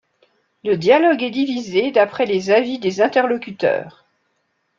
Le dialogue est divisé d'après les avis des interlocuteurs.